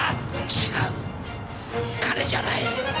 違う金じゃない。